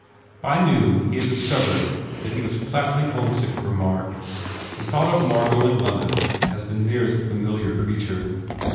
By noon he had discovered that he was flatly homesick for Mark and thought of Margot in London as the nearest familiar creature.